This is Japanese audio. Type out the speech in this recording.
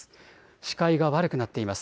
視界が悪くなっています。